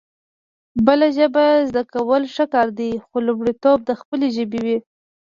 بله ژبه زده کول ښه کار دی خو لومړيتوب د خپلې ژبې وي